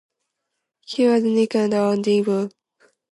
He was nicknamed O Divino, which means The Divine One, by his supporters.